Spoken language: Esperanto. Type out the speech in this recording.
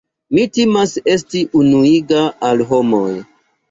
Mi timas esti enuiga al homoj.